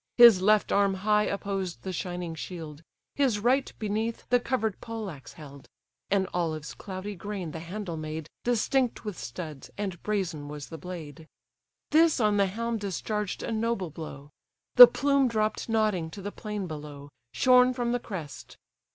His left arm high opposed the shining shield: His right beneath, the cover'd pole axe held; (An olive's cloudy grain the handle made, Distinct with studs, and brazen was the blade;) This on the helm discharged a noble blow; The plume dropp'd nodding to the plain below, Shorn from the crest.